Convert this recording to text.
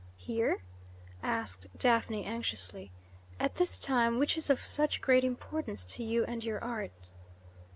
"Here?" asked Daphne anxiously. "At this time, which is of such great importance to you and your art?"